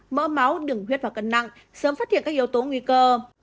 mỡ máu đừng huyết vào cân nặng sớm phát hiện các yếu tố nguy cơ